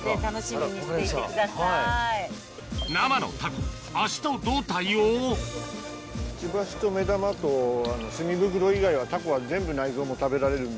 生のタコ足と胴体をくちばしと目玉と墨袋以外はタコは全部内臓も食べられるんで。